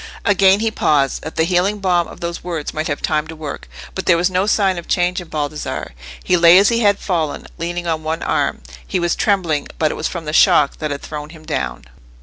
Again he paused, that the healing balm of those words might have time to work. But there was no sign of change in Baldassarre: he lay as he had fallen, leaning on one arm: he was trembling, but it was from the shock that had thrown him down.